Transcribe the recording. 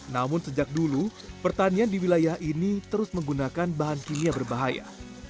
namun sejak dulu pertanian di wilayah ini terus menggunakan bahan kimia berbahaya